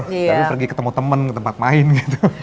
tapi pergi ketemu temen ke tempat main gitu